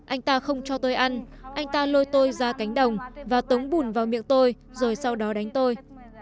anh ta không cho tôi ăn anh ta lôi tôi ra cánh đồng và tống bùn vào miệng tôi rồi sau đó đánh tôi